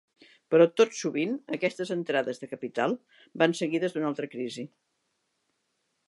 Però, tot sovint, aquestes entrades de capital van seguides d'una altra crisi.